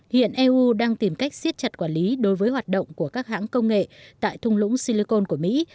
hiện eu đang tìm cách siết chặt quản lý đối với hoạt động của các hãng công nghệ tại thung lũng silicon của mỹ